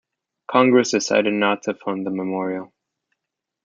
Congress decided not to fund the memorial.